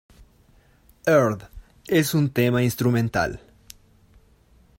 Earth es un tema instrumental.